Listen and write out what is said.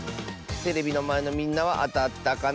テレビのまえのみんなはあたったかな？